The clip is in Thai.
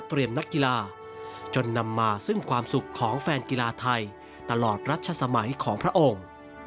นักกีฬาจนนำมาซึ่งความสุขของแฟนกีฬาไทยตลอดรัชสมัยของพระองค์